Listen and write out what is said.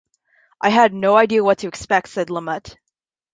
"I had no idea of what to expect," said Lumet.